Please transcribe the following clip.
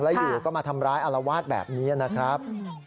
แล้วอยู่ก็มาทำร้ายอารวาสแบบนี้นะครับ